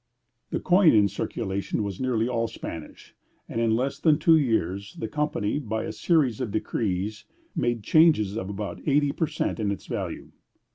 The coin in circulation was nearly all Spanish, and in less than two years the Company, by a series of decrees, made changes of about eighty per cent in its value.